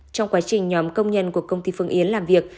trong quá trình nhóm công nhân của công ty phương yến làm việc